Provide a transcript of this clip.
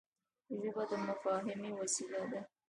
ژبه د مفاهمې وسیله ده